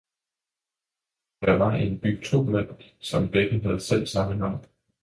Der var i en by to mænd, som begge havde selvsamme navn.